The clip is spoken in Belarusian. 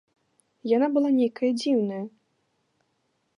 Яна была нейкая дзіўная.